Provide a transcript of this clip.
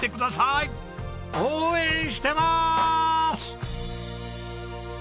応援してまーす！